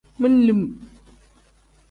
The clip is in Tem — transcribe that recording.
Men-lim.